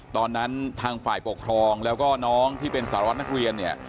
ทางฝ่ายปกครองแล้วก็น้องที่เป็นสารวัตรนักเรียนเนี่ย